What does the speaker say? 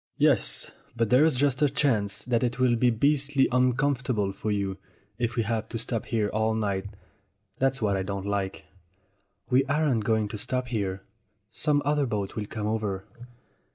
"Yes, but there's just a chance that it will be beastly uncomfortable for you, if we have to stop here all night. That's what I don't like." "We aren't going to stop here. Some other boat will come over."